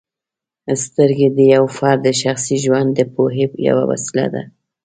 سترګې د یو فرد د شخصي ژوند د پوهې یوه وسیله ده.